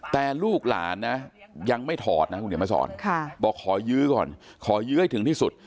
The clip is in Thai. แต่ลูกหลานนะยังไม่ถอดนะคุณเดี๋ยวมาสอนบอกขอยื้อก่อนขอยื้อให้ถึงที่สุด